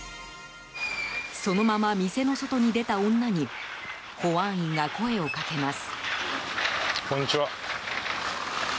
そのまま店の外に出た女に保安員が声を掛けます。